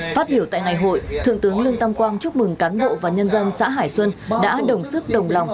phát biểu tại ngày hội thượng tướng lương tam quang chúc mừng cán bộ và nhân dân xã hải xuân đã đồng sức đồng lòng